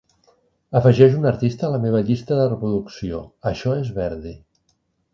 Afegeix un artista a la meva llista de reproducció Això és Verdi